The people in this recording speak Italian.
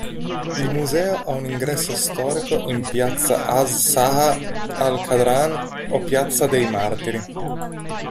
Il museo ha un ingresso storico in piazza As-Saha al-Kradrah, o Piazza dei Martiri.